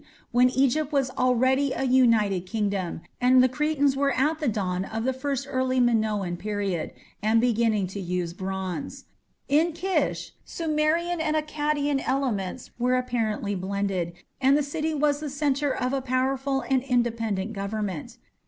when Egypt was already a united kingdom, and the Cretans were at the dawn of the first early Minoan period, and beginning to use bronze. In Kish Sumerian and Akkadian elements had apparently blended, and the city was the centre of a powerful and independent government.